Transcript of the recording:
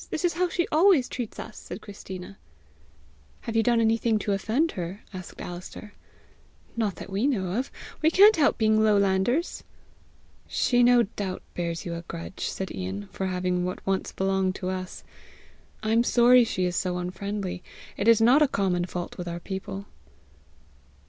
This is how she always treats us!" said Christina. "Have you done anything to offend her?" asked Alister. "Not that we know of. We can't help being lowlanders!" "She no doubt bears you a grudge," said Ian, "for having what once belonged to us. I am sorry she is so unfriendly. It is not a common fault with our people."